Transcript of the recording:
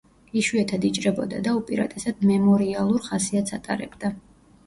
იშვიათად იჭრებოდა და უპირატესად მემორიალურ ხასიათს ატარებდა.